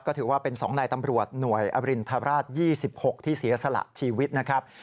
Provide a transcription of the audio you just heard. ก็ถือว่าเป็น๒นายตำรวจหน่วยอรินทราช๒๖ที่เสียสละชีวิตนะครับ